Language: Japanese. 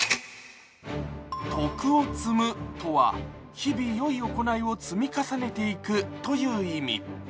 徳を積むとは、日々よい行いを積み重ねていくという意味。